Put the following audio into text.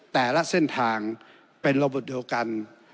แต่ละเส้นทางเป็นระบบเดียวกัน